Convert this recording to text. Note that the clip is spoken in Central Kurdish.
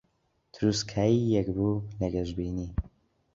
تروسکایییەک بوو لە گەشبینی